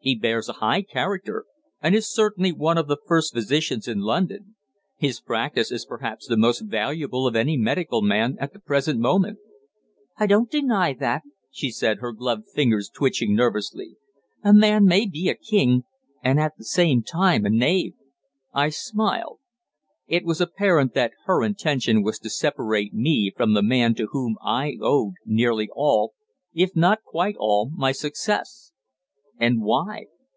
"He bears a high character, and is certainly one of the first physicians in London. His practice is perhaps the most valuable of any medical man at the present moment." "I don't deny that," she said, her gloved fingers twitching nervously. "A man may be a king, and at the same time a knave." I smiled. It was apparent that her intention was to separate me from the man to whom I owed nearly all, if not quite all, my success. And why?